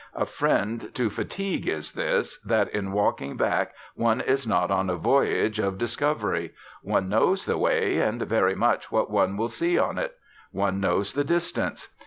A friend to fatigue is this, that in walking back one is not on a voyage of discovery; one knows the way and very much what one will see on it; one knows the distance.